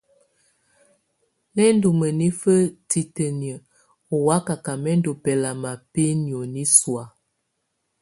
Lɛ́ ndù mǝnifǝ titǝniǝ́ ù wakaka mɛ ndù bɛlama bɛ nioni sɔ̀á.